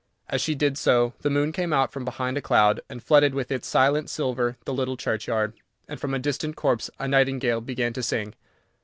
As she did so, the moon came out from behind a cloud, and flooded with its silent silver the little churchyard, and from a distant copse a nightingale began to sing.